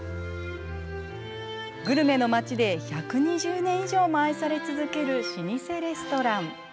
グルメの街で１２０年以上も愛され続ける老舗レストラン。